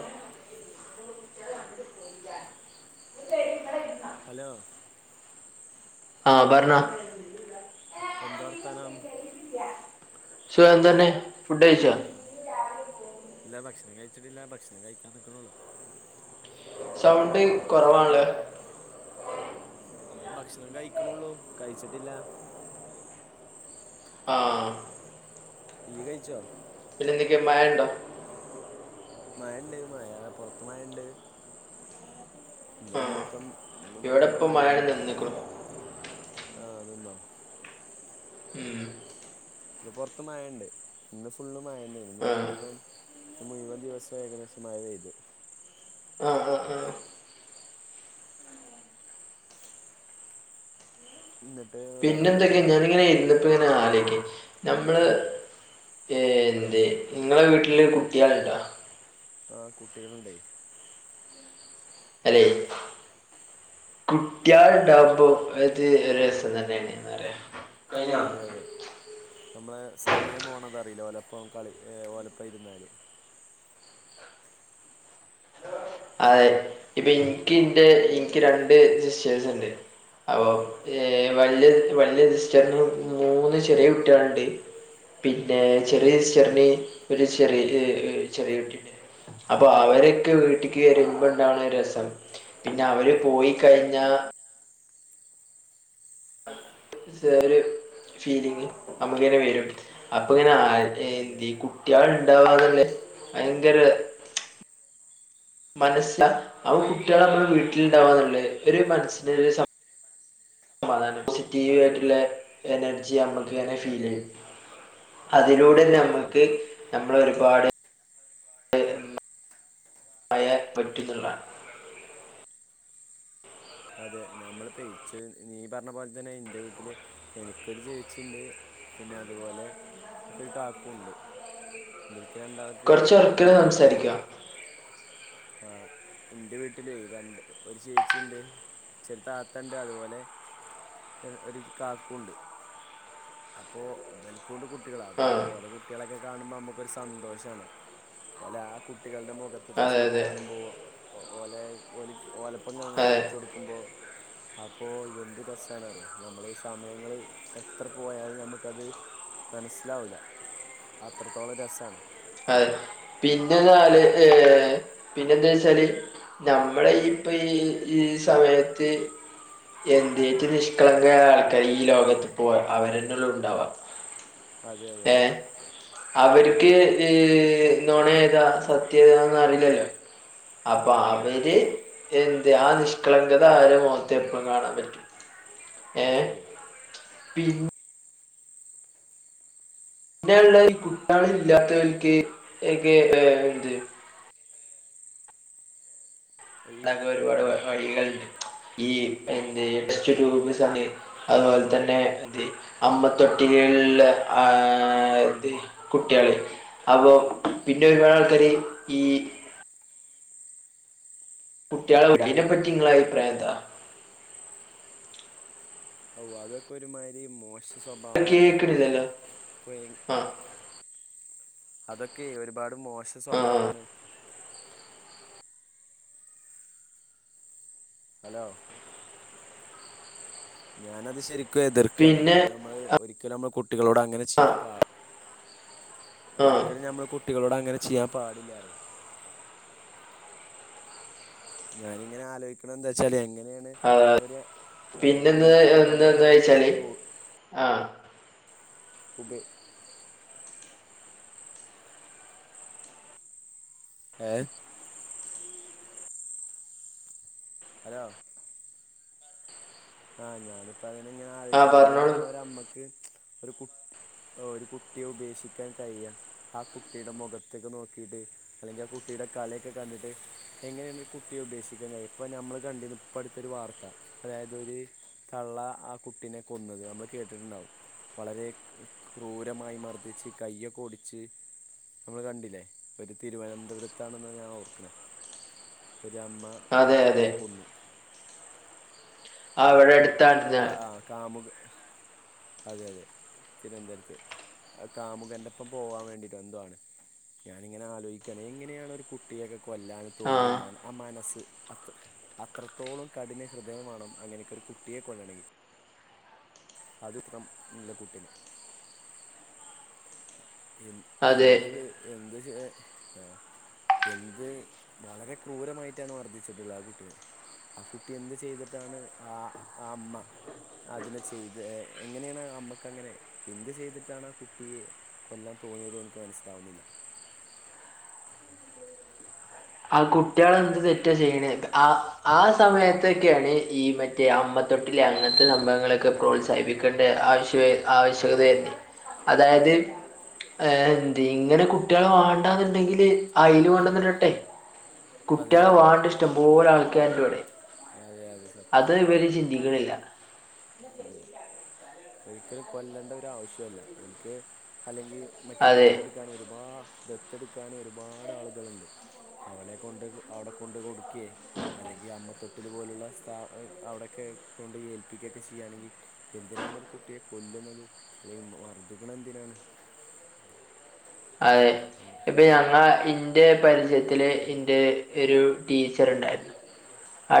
ആഹ് [unintelligible] hello ആഹ് പറഞ്ഞ എന്ത വർത്താനം. സുഖം തന്നെ ഫുഡ് കഴിച്ച. ഇല്ല ഭക്ഷണം കഴിച്ചിട്ടില്ല ഭക്ഷണം കഴിക്കാൻ നിൽക്കണള്ളൂ. സൗണ്ട് കുറവാണല്ലേ. ഭക്ഷണം കഴിക്കണള്ളൂ കഴിച്ചിട്ടില്ല. ആഹ്. ഇയ്കഴിച്ചോ? പിന്നെന്തക്ക മഴണ്ടോ. മഴണ്ട് മഴ പൊറത്തു മഴണ്ട്. ഇന്ന് ആഹ് മൊത്തം ഇന് ഇവിടെ മുയുവൻ ഇപ്പ മഴ മയന്നെ നിന്നിക്കണു ആഹ് നിന്നോ. ഉം ഇന്ന് പുറത്ത് മഴണ്ട് ഇന്ന് ഫുള്ള് മഴന്നേണ് ഇന്ന് ആഹ് മുയ്‌വം. ഇന്ന് മുഴുവൻ ദിവസവും ഏകദേശം മഴ പെയ്തു. ആഹ് ആഹ് ആഹ്. എന്നിട്ട് വേറെ പിന്നെ എന്തൊക്കെ എന്തൊക്കെയാ ഞാനിങ്ങനെ ഇരുന്നപ്പ ഇങ്ങനെ ആലോയ്ക്ക നമ്മള്. ആ എന്ത് നിങ്ങളെ വീട്ടില് കുട്ടികള്ണ്ടാ. ആഹ് കുട്ടികളുണ്ടേ. [unintelligible] കുട്ടിയാള്ണ്ടാകുമ്പോ അത് ഒരു രസം തന്നെയാണ്ന്ന് പറയാ. അതെ അതെ നമ്മള സമയം പോണതറിയില്ല ഓലപ്പം കളി ഓലപ്പം ഇരുന്നാല്. അതെ ഇപ്പൊ ഇനിക്ക് ഇന്റെ എനിക്ക് രണ്ട് സിസ്റ്റേഴ്സ് ഉണ്ട് അപ്പൊ. ആ ഏഹ് വലിയ വലിയ സിസ്റ്ററിന് മൂന്ന് ചെറിയ കുട്ടികളുണ്ട്. പിന്നെ ചെറിയ സിസ്റ്റർന് ഒരു ചെറിയ ചെറിയ കുട്ടിയുണ്ട്. അപ്പൊ ആഹ് അവരൊക്കെ വീട്ടിൽ. അവര് വരുമ്പണ്ടാവണ രസം പിന്നെ അവര് അതെ പോയി കഴിഞ്ഞാ. ഒരു ഫീലിങ് നമക്ക് ഇങ്ങനെ വരും. അപ്പൊ ഇങ്ങനെ ആഹ് അതെ എന്ത് കുട്ടികൾ ഇണ്ടാവാന്നല്ലേ. ഭയങ്കര മനസ്സ് അവ കുട്ടികൾ നമ്മള വീട്ടിലുണ്ടാവാന്നുള്ള ഒരു മനസ്ന് ഒരു. സമാധാന പോസിറ്റീവ് അത് ആയിട്ടുള്ള ശരിയാ എനർജി നമ്മൾ. ഫീൽ അതെ ചെയ്യും അത് അതിലൂടെ ശരിയാണ് അത് നമക്ക് ശരിയാണ് നമ്മൾ ഒരുപാട്. പയ പെറ്റുന്നുള്ളതാണ്. അതെ നമ്മള് പേച്ച് നീ പറഞ്ഞ പോലെ തന്നെ എന്റെ വീട്ടില്. എനിക്കൊരു ചേച്ചിണ്ട് പിന്നെ അതുപോലെ എനിക്കൊരു കാക്കുണ്ട്. [unintelligible] രണ്ടാക്കും. കുറച്ച് ഒറ്റ സംസാരിക്ക. ആഹ് ഇന്റെ വീട്ടില് രണ്ട് ഒരു ചേച്ചിണ്ട്. ച്ചാര് താത്തണ്ട് അതുപോലെ ഒരു കാക്കുണ്ട്. അപ്പൊ ബലക്ക കൊണ്ട് കുട്ടികളാ അപ്പോ ഓല്ക്കുണ്ട് ആഹ് കുട്ടികള് ഓല കുട്ടികളൊക്കെ കാണുമ്പോ നമ്മുക്കരു സന്തോഷമാണ്. പോലെ ആഹ് കുട്ടികളുടെ മുഖത്ത് അതെ അതെ ചിരികാണുമ്പോ. ഓല ഓല ഓലപ്പങ്ങനെ അങ്ങ് അതെ കളിച്ചു കൊടുക്കുമ്പോ. അപ്പോ എന്ത് രസണറിയോ നമ്മള സമയങ്ങള് എത്ര. പോയാൽ നമുക്കത് മനസ്സിലാവില്ല അത്രത്തോളം രസമാണ്. അതെ പിന്നെന്താല് ഏഹ് പിന്നെ എന്താ വെച്ചാല്. നമ്മള ഇപ്പൊ ഈ ഈ സമയത്ത്. എന്ത് നിഷ്കളങ്കായ ആൾക്കാർ ഈ ലോകത്ത് പോവാ അവരെന്നെല്ലെ ഉണ്ടാവാ. അതെ അതെ അത് ഏഹ് സത്യം ഉം അവർക്ക്. നോണ ഏതാ [unintelligible] അറിയില്ലല്ലോ അപ്പൊ അവര്. എന്തേ ആഹ് നിഷ്കളങ്കത അവരെമൊകത്തെപ്പം കാണാൻ പറ്റും അത് ഏഹ് ശരിയാ പിം പിന്നെയ്ള്ളത് ഈ കുട്ട്യാള് ഇല്ലാത്തവര്ക്ക് എ‌ക്കെ ഏഹ് ഏന്ത് അപ്പൊ ഈ അത‌ക്കെ ഒരുപാട് ഞാ വ വഴികൾ ഈ എന്തെ ടെസ്റ്റ്ട്യൂബ് വെച്ചങ്ങ്നെ അതുപോൽതന്നെ ദി അമ്മ തൊട്ടില്കലില് ആഹ് ദി കുട്ട്യാള് അപ്പൊ പിന്നെ ഒരുപാട് ആൾക്കാര് ഈ കുട്ട്യാളെ ഇട്ന്നെനെപറ്റിങ്ങളെ അഭിപ്രായെന്താ ഓഹ് അതൊക്കെ ഒര്മാരി മോശ സ്വഭാവാണ്‌ന്നെ ഞാൻ കേൾക്കണില്ലല്ലോ പറയൊള്ള് ഇപ്പോനി ആ അതൊക്കെ ഒര്പാട് മോശ ആ ആ. സ്വഭാവാണ് ഹലോ ഞാനത് ശെര്ക്കും എതിർക്കാണ് പിന്നെ അത് നമ്മള് ഒരിക്കലും നമ്മള് കുട്ടികളോട് അങ്ങനെ ആ ചെയ്യാൻ പ ആ ഒരിക്കലും ഞമ്മള് കുട്ടികളോടങ്ങനെ ചെയ്യാൻ പാടില്ലാറ്യും ഞാനിങ്ങനെ ആലോയ്ക്കണന്തെച്ചാലെങ്ങെനെ നെ ഒര് ആഹ് ഒര് പിന്നെന്ന് അമ്മയ്‌ക്കെങ്ങനെയാണ് എന്തെന്ന് ഒര് വെച്ചാല് കുട്ടിയെ ഉ ആഹ് ഉപേ ഏഹ് ഹലോ ആഹ് ഞാനിപ്പിതന്നെ ആഹ് ആലോയ്ക്കണ് പറഞ്ഞോളൂ എങ്ങനെയാണ് ഒര് അമ്മക്ക് ഒര് കു ഓഹ് ഒര് കുട്ടിയെ ഉപേക്ഷിക്കാൻ കഴിയാ ആഹ് കുട്ടിടെ മൊഖത്തേക്ക് നോക്കിട്ട് അല്ലെങ്കിൽ ആഹ് കുട്ടിടെ കളിയക്കെ കണ്ടിട്ട് എങ്ങനെയാണ് ഈ കുട്ടിയെ ഉപേഷിക്കാൻ കഴിയാ ഇപ്പ ഞമ്മള് കണ്ടിനു ഇപ്പട്ത്തൊരു വാർത്ത അതായത് ഇതൊര് തള്ള ആകുട്ടീനെ കൊന്നത് നമ്മള് കേട്ടിട്ടുണ്ടാവും വളരെ ക്രൂരമായി മർദ്ദിച്ച് കയ്യൊ‌ക്കെ ഒടിച്ച് നമ്മള് കണ്ടില്ലേ ഒര് തിരുവനന്തപുരത്താണെന്ന് ഞാൻ ഓർക്കണേ ഒര് അമ്മ ഒരു അതെ അതെ കുട്ടിയെ കൊന്നു ആഹ് അവിടെ അടുത്താണ് കാ ആഹ് കാമുക അതെ അതെ തിരുവൻന്തരത്ത് ആ കാമുകൻന്റെപ്പം പോവാൻ വേണ്ടിട്ടെന്തോ ആണ് ഞാനിങ്ങനെ ആലോയ്ക്കാണ് എങ്ങനെയാണ് ഒരു കുട്ടിയെക്കെ കൊല്ലാൻ തോന്നിയ ആഹ് മന ആമനസ്സ് അത് അത്രത്തോളം കഠിന ഹൃദയംമാണ് അങ്ങനൊക്കൊര് കുട്ടിയെ കൊല്ലണെങ്കിൽ അത്ഫ്രം നല്ലെ കുട്ടീനെ എൻ അതെ എന്ത് എഹ് എന്ത് ചെ ആഹ് എന്ത് വളരെ ക്രൂരമായിട്ടാണ് മർദ്ധിച്ച്ട്ട്ള്ളത് ആകുട്ടിനെ ആകുട്ടി എന്ത് ചെയ്തിട്ടാണ് ആഹ് ആഅമ്മ അതിനെ ചെയ്തെ എഹ് എങ്ങനെയാണ് അമ്മക്കങ്ങനെ എന്ത് ചെയ്തിട്ടാണ് ആകുട്ടിയെ കൊല്ലാൻ തോന്നിയത് എന്ക്ക് മനസ്സിലാവുന്നില്ല ആകുട്ട്യാള് എന്ത് തെറ്റാ ചെയ്യണെ ത് ആഹ് ആസമയത്തൊക്കെയാണ് ഈ ഈ മ ഈ അമ്മതൊട്ടില് അങ്ങ്നത്തെ സംഭവങ്ങളക്കെ പ്രോത്സാഹിപ്പിക്കേണ്ട ആവശ്യേ ആവശ്യകതയെ അതായത് ഏഹ് ന്ത്ങ്ങനെ കുട്ടികളെ വാണ്ടാന്നുണ്ടെങ്കില് അയില് കൊണ്ടന്ന്ടട്ടെ അതെ കുട്ടികളെ അതെ അതെ വ്വാണ്ട ഇഷ്ടംപോലെ ആൾക്കാര്ണ്ട്വ്ടെ അതെ അതെ അത് സത്യം ഇവര് ചിന്തിക്കണില്ല അതെ ഒര്ക്ക് കൊല്ലേണ്ട ഒര് ആവശ്യോല്ല ഒൽക്ക് അല്ലെങ്കി മറ്റ് അതെ ദത്തെട്ക്ക ക്കാൻ ഒരുപാ ദത്തെട്ക്കാനും ഒരുപാട് ആള്കള്ണ്ട് അവടെകൊണ്ട് ക് അവിടെകൊണ്ട് കൊടുക്ക്യെ അല്ലെങ്കി അമ്മത്തൊട്ടില് പോലുള്ള സ്ഥ എഹ് അവിടെക്കെ കൊണ്ടോയ് ഏൽപ്പിക്കൊക്കെ ചെയാണെങ്കി എന്തിനാണ് ഒര് കുട്ടിയെ കൊല്ലുന്നത് അല്ലെങ്കി മ് മർദ്ദിക്കണ എന്തിനാണ് അതെ അങ്ങ് ഇപ്പം ഞങ്ങളെ ഇന്റെ പരിചയത്തിലെ ഇന്റെ ഒര് ടീച്ചർണ്ടാര്ന്ന്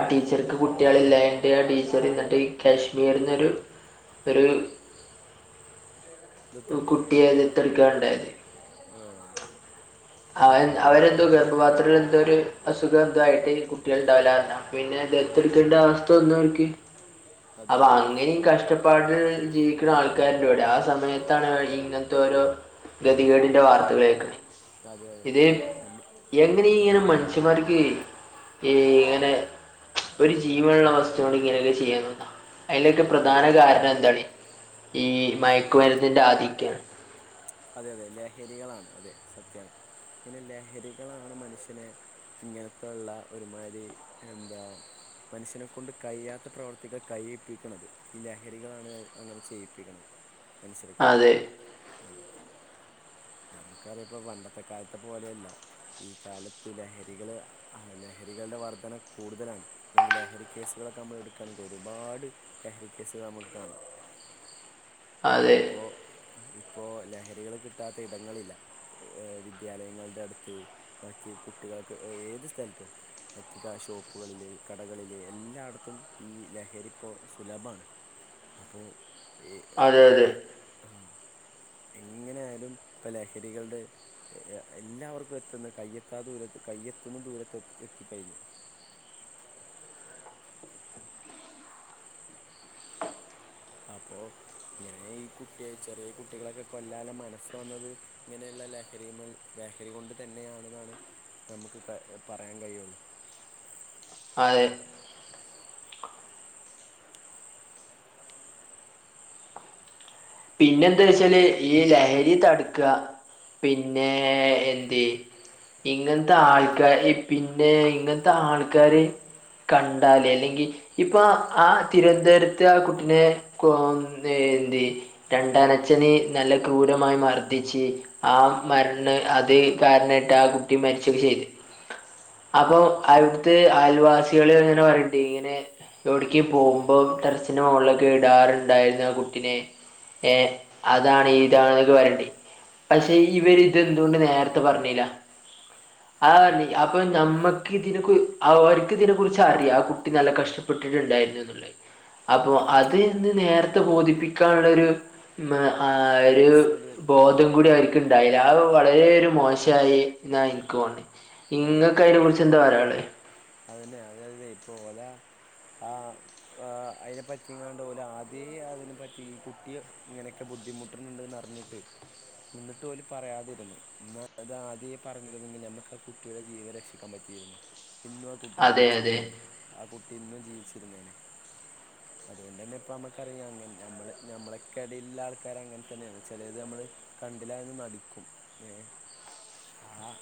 ഉം. കുട്ട്യള് ഇല്ലാഞ്ഞിട്ട് ആടീച്ചറ്ന്ന്ട്ട് കാശ്മീർന്നൊരു ഒരു ദത്തെടുത്തോ കുട്ടിയെ ദത് എടുക്കയാണ്‌ണ്ടായത്. ആഹ് ആഹ് അവരെന്തോ, ഗർഭപാത്രമെടുത്തൊരു അസുഖം എന്തോ ആയിട്ടിനികുട്ടികളുണ്ടാവില്ലാന്നോ പിന്നെ ആ ദത്ത് എടുക്കേണ്ട അവസ്ഥ വന്നു അർക്ക് അതെ അപ്പൊ അതെ അങ്ങനെയും അ- കഷ്ട പാടില്, ജീവിക്കുന്ന ആൾക്കാരുണ്ടിവിടെ ആഹ് സമയത്താണ് അവരിങ്ങനത്തെയോരോ ഗതികേടിൻ്റെ വാർത്തകൾ ഏക്കുന്നേ അതെ അതെ ഇത് നമ്മൾ എങ്ങനെ ഇങ്ങനെ നമ്മൾ മനുഷ്യമാർക്കെ ഈ ഇങ്ങനെ ഒരു ജീവനുള്ള വസ്തുവോടിങ്ങനെ ചെയ്യ കഴിയുക്ക അതിലൊക്കെ അതെ പ്രധാന കാരണം എന്താണീ ഈ മയക്കുമരുന്നിൻ്റെ ആധിക്യമാണ് അതെയതെ ലഹരികളാണ് അതെ സത്യം ഇങ്ങനെ ലഹരികളാണ് മനുഷ്യനെ ഇങ്ങനത്തെയുള്ള ഒരുമാതിരിയെന്താ മനുഷ്യനെ കൊണ്ടുകഴിയാത്ത പ്രവർത്തികൾ കഴിയിപ്പിക്കണം ഈ ലഹരികളാണങ്ങനെ ചെയ്യിപ്പിക്കുന്നത്. മനസ്സിലാക്കുന്നു അതെ കാരണമിപ്പോൾ പണ്ടത്തെ കാലത്തെ പോലെയല്ല. ഈ കാലത്തു ലഹരികള് ആഹ് ലഹരികളുടെ വാർത്തകൾ കൂടുതലാണ്, അല്ലെങ്കിൽ ലഹരികേസുകളൊക്കെ നമ്മളെടുക്കുകയാണെങ്കിൽ ഒരുപാട് ലഹരിക്കേസുകളിൽ നമുക്കുകാണാം അതെ ഇപ്പോ ഇപ്പോ ലഹരികള് കിട്ടാത്തയിടങ്ങളില്ല. ഏഹ് വിദ്യാലയങ്ങളുടെയടുത്ത് മറ്റുകുട്ടികളൊക്കെയുള്ള ഏതുസ്ഥലത്തും. മിക്കഷോപ്പുകളില്, കടകളില് എല്ലായിടത്തും ഈ ലഹരിയിപ്പോ സുലഭമാണ് അപ്പോ അതെയതെ ഇങ്ങനെ ആയാലും ഇപ്പൊ ലഹരികളുടെ. എല്ലാവർക്കും എത്തുന്ന കയ്യെത്താ ദൂരത്ത് കയ്യെത്തുന്ന ദൂരത്തെത്തിക്കഴിഞ്ഞു. അപ്പോ ഇങ്ങനെ ഈ കുട്ടിയെ ചെറിയ കുട്ടികളൊക്കെ കൊല്ലാനും മനസ്സു വന്നതു ഇങ്ങനെയുള്ള ലഹരിയുമായി ലഹരികൊണ്ടു തന്നെയാണെന്നാണു നമുക്കുപറയാൻ കഴിയുള്ളൂ അതെ പിന്നെ എന്താവെച്ചാല് ഈ ലഹരിയെതടുക്കുക, പിന്നെയെന്തേ ഇങ്ങനത്തെ ആൾക്കാരെ പിന്നെയിങ്ങനത്തെ ആൾക്കാര് കണ്ടാല് അല്ലെങ്കിൽ ഇപ്പോ ആഹ് തിരുവനന്തപുരത്ത് ആഹ് കൂട്ടിനെ കോന്നേനി രണ്ടാനച്ഛനെ നല്ല ക്രൂരമായി മർദിച്ച് ആഹ് മരണം അതു കാരണമായിട്ട് ആഹ് കുട്ടി മരിച്ചൊക്കെചെയ്തു അപ്പൊ അവിടുത്തെ അയൽവാസികള് തന്നെ പറയണ്ടിങ്ങനെ എവിടേക്കു പോകുമ്പോൾ ടെറസിന്റെ മുകളിലൊക്കെ യിടാറുണ്ടായിരുന്നു ആഹ് കുട്ടിനെ ഏഹ് ഉം അതാണിതാണെന്നൊക്കെ വെരട്ടി പക്ഷെ ഉം ഇവരിതെന്തുകൊണ്ടു നേരത്തെ പറഞ്ഞില്ല. അതെ ആഹ് അപ്പൊ ഞമ്മക്കിതിനെക്കു, അവർക്കിതിനെ കുറിച്ചറിയാം ആഹ് കുട്ടി നല്ല കഷ്ടപ്പെട്ടിട്ടുണ്ടായിരുന്നു എന്നുള്ളത് അപ്പൊ അതുനിന്ന് നേരത്തെ ബോധിപ്പിക്കാനുള്ള യൊരു ഉം ഒരു മനസ്സൊരു ബോധം കൂടി ആവരിക്ക് ഉണ്ടായില്ല, അതു വളരെയൊരു മോശമായി എന്നാ എനിക്കു തോന്നി. നിങ്ങൾക്കതിനെ കുറിച്ച് എന്താ പറയാനുള്ളേ അതുതന്നെ യതു തന്നെയിപ്പോ ഒരാൾ ആഹ് ആഹ് അതിനെ പറ്റിയെങ്ങാണ്ട് പോലെ ആദ്യമേയതിനെ പറ്റി ഈ കുട്ടി ഇങ്ങനെയൊക്കെ ബുദ്ധിമുട്ടുന്നുണ്ടെന്നറിഞ്ഞിട്ട്. എന്നിട്ടുമിവര് പറയാതിരുന്നു എന്നാലാദ്യമേ പറഞ്ഞിരുന്നെങ്കിൽ നമുക്കാകുട്ടിയുടെ ജീവൻരക്ഷിക്കാൻ പറ്റിയിരുന്നു ഇന്നുമാകുട്ടി അതെ അതെ ജീവിച്ചിരുന്നേനെ, ആഹ് കുട്ടി ഇന്നും ജീവിച്ചിരുന്നേനെ അതുകൊണ്ടുതന്നെ ഇപ്പ നമ്മുക്കറിയാമെന്നേ, ഞമ്മള് നമ്മളൊക്കെയട യിലുള്ള ആൾക്കാരങ്ങനെ തന്നെയാണ് ചിലതു നമ്മള് കണ്ട്ല്ലായെന്ന് നടിക്കും ഏഹ് ആഹ്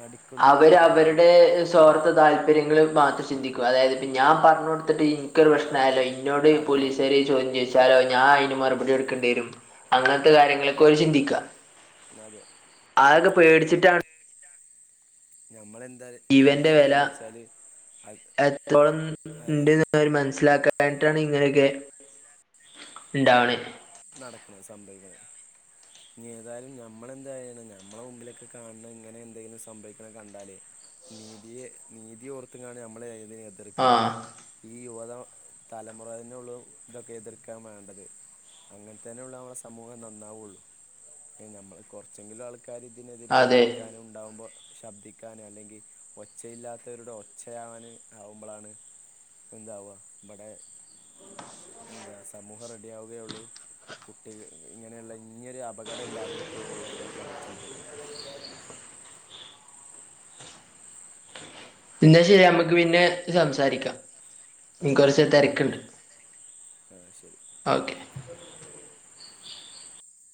നടിക്കുന്നതിന് പകരം നടി സ്വാർത്ത താല്പര്യങ്ങൾ മാത്രം ചിന്തിക്കും അതായത് ഇപ്പം ഞാൻ പറഞ്ഞു കൊട്ത്തിട്ട് ഈ ക്കൊര് ആ പ്രശ്നായാലും അതെ ഇന്നോട് അതെ അതെ പോലീസാര് ചോദ്യം ചോയ് ച്ചലോ ഞാൻ അയിന് മറുപടി കൊടുക്കേണ്ടി വരും അങ്ങൻത്തെ കാര്യങ്ങളൊക്കെ ഓല് ചിന്തിക്കാ അതെ അതൊക്കെ നം പേടിച്ചിട്ടാണ് ഞമ്മളെന്താ എന്ത് ജീവന്റെ വെല ചെയ്യണംന്ന് വെച്ചാല് അത് എത്രത്തോളം അതെ ഇണ്ട്ന്ന് ഓര് മനസ്സിലാക്കാഞ്ഞിട്ടാണ് ഇങ്ങനെയൊക്കെ ഇണ്ടാവ്ണെ നടക്ക്ണെ സംഭവിക്ക്ണെ ഇഞ്ഞ് ഏതായാലും ഞമ്മളെന്തായാണ് ഞമ്മളെ മുമ്പിലൊക്കെ കാണ ഇങ്ങനെ എന്തെങ്കിലും സംഭവിക്ക്ണെ കണ്ടാല് നീതിയെ നീതി ഓർത്ത്ക്കാണ്ട് നമ്മളെ ഏതിനെ അത് എതിർക്കണം ആഹ് ഈ യുവത തലമുറേനുള്ള ഇതൊക്കെ എതിർക്കാൻ വേണ്ടത് അങ്ങനെത്തന്നെ ഒള്ളു അമ്മളെ സമൂഹം നന്നാവൊള്ളൂ നമ്മള് കൊറച്ചെങ്കിലും ആൾ ക്കാര് ഇതിനെതിരെ അതെ എതിർക്കാനും ഉണ്ടാവുമ്പോൾ ശബ്ദിക്കാന് അല്ലെങ്കിൽ ഒച്ചയില്ലാത്തവരുടെ ഒച്ചയാവാന് ആവുമ്പളാണ് എന്താവ ബടെ എന്താ സമൂഹം റെഡിയാവുകയുള്ളു കുട്ടിക ഇങ്ങനെയ്ള്ള ഇഞ്ഞൊരു അപകടം ഇല്ലാതിരിക്കുകയൊള്ളൂ എന്നൊക്കെ നമ്മൾ ചിന്തിക്കണം ഇന്നാ ശരി അമ്മക്ക് പിന്നെ സംസാരിക്കാം ഇൻക്ക് കൊറച്ച് തെരക്ക്ണ്ട് ആഹ് ശരി ആഹ്